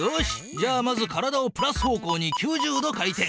じゃあまず体をプラス方向に９０度回転。